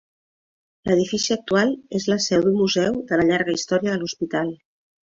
L'edifici actual és la seu d'un museu de la llarga història de l'hospital.